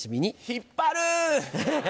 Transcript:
引っ張る。